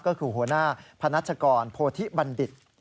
ก็คือหัวหน้าพนัชกรโพธิบัณฑิต